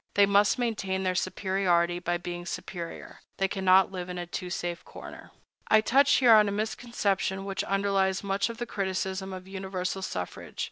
They must maintain their superiority by being superior. They cannot live in a too safe corner.I touch here on a misconception which underlies much of the criticism of universal suffrage.